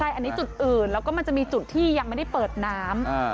อันนี้จุดอื่นแล้วก็มันจะมีจุดที่ยังไม่ได้เปิดน้ำ